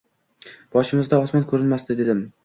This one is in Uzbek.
Boshimizda osmon, ko’rinmasdi dim